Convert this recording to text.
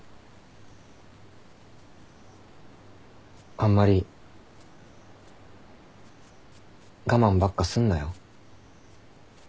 あんまり我慢ばっかすんなよ。